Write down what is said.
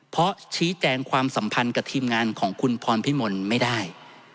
เพราะชี้แจงความสัมพันธ์กับทีมงานของคุณพรพิมลไม่ได้